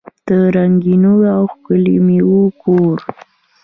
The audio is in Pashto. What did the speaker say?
د رنګینو او ښکلو میوو کور.